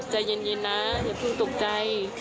ใจเย็นนะอย่าเพิ่งตกใจ